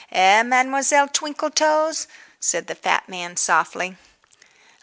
Eh, Mademoiselle Twinkletoes?" said the fat man softly.